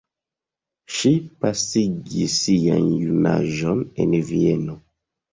Ŝi pasigis sian junaĝon en Vieno.